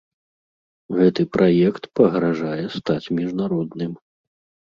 Гэты праект пагражае стаць міжнародным.